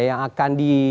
yang akan di